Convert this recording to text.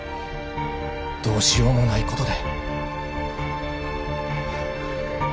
どうしようもないことで。